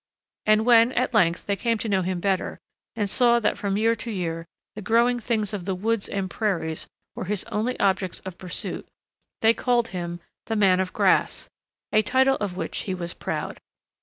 And when at length they came to know him better, and saw that from year to year the growing things of the woods and prairies were his only objects of pursuit, they called him "The Man of Grass," a title of which he was proud.